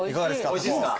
おいしいっすか？